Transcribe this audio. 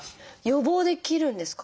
予防できるんですか？